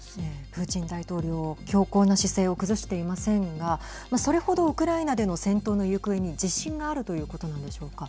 プーチン大統領強硬な姿勢を崩していませんがそれほどウクライナでの戦闘の行方に自信があるということなんでしょうか。